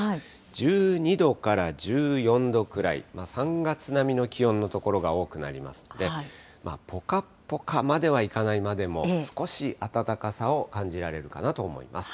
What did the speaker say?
１２度から１４度くらい、３月並みの気温の所が多くなりますんで、ぽかぽかまではいかないまでも、少し暖かさを感じられるかなと思います。